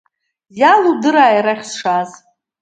Иалудырааи арахь сшааз?